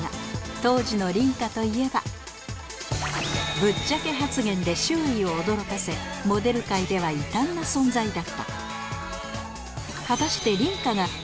当時の梨花といえばぶっちゃけ発言で周囲を驚かせモデル界では異端な存在だった果たして梨花梨花さん